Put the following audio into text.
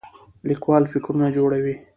لیکوال فکرونه جوړوي